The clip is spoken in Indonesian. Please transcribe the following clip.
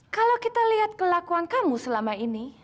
kalau kita lihat kelakuan kamu selama ini